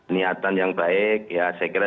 niatan yang baik ya saya kira